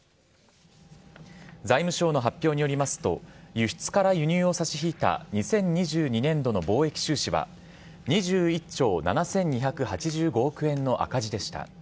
財務省の発表によりますと輸出ら輸入を差し引いた２０２２年度の貿易収支は２１兆７２８５億円の赤字でした。